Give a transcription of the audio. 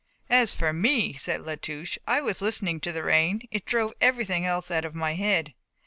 "As for me," said La Touche, "I was listening to the rain, it drove everything else out of my head."